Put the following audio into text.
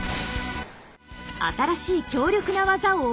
新しい強力な技を覚えた。